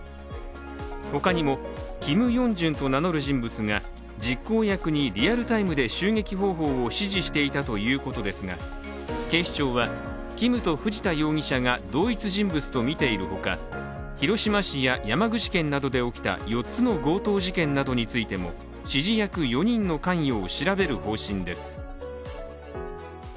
ほかにもＫｉｍＹｏｕｎｇ−ｊｕｎと名乗る人物が実行役にリアルタイムで襲撃方法を指示していたということですが、警視庁はＫｉｍと藤田容疑者が同一人物とみているほか広島市や山口県などで起きた４つの強盗事件などについても指示役４人の関与を調べる方針です。